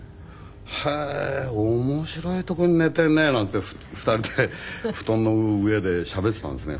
「へえー面白いとこに寝てるね」なんて２人で布団の上でしゃべってたんですね